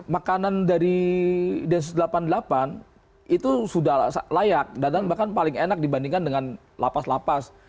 makanan dari densus delapan puluh delapan itu sudah layak dan bahkan paling enak dibandingkan dengan lapas lapas